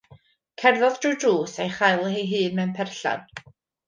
Cerddodd drwy'r drws a'i chael ei hun mewn perllan.